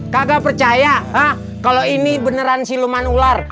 kakak percaya ah kalau ini beneran siluman ular